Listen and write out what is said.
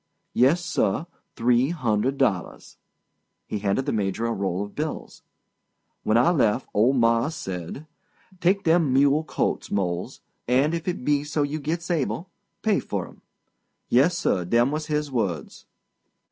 "Yessir—three hundred dollars." He handed the Major a roll of bills. "When I lef' old mars' says: ''Take dem mule colts, Mose, and, if it be so you gits able, pay fur 'em.' Yessir—dem was his words.